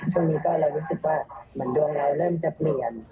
ช่วงนี้ก็เลยรู้สึกว่าเหมือนดวงเราเริ่มจะเปลี่ยน